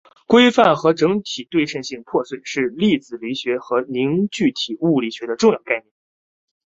规范和整体对称性破缺是粒子物理学和凝聚体物理学的重要概念。